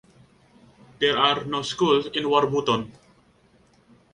There are no schools in Warburton.